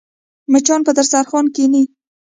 مچان پر دسترخوان کښېني